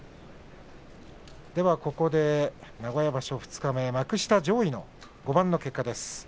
ここで名古屋場所二日目幕下上位５番の結果です。